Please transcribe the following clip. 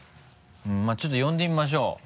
まぁちょっと呼んでみましょう。